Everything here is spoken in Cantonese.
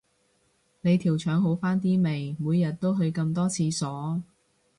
你條腸好返啲未，每日都去咁多廁所